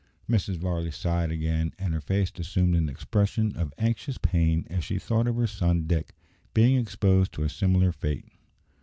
Mrs. Varley sighed again, and her face assumed an expression of anxious pain as she thought of her son Dick being exposed to a similar fate.